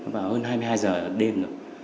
vào hơn hai mươi hai h đêm rồi